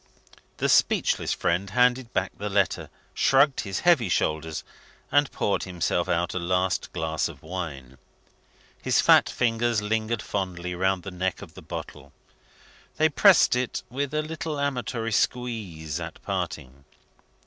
The speechless friend handed back the letter, shrugged his heavy shoulders, and poured himself out a last glass of wine. His fat fingers lingered fondly round the neck of the bottle. They pressed it with a little amatory squeeze at parting.